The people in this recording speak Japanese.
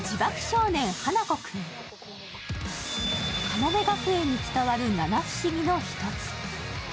かもめ学園に伝わる七不思議の１つ。